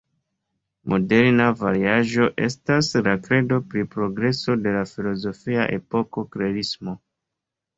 Moderna variaĵo estas la kredo pri progreso de la filozofia epoko klerismo.